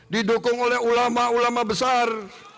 didukung oleh ulama ulama besar